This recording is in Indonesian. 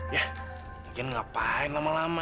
yah mungkin ngapain lama lama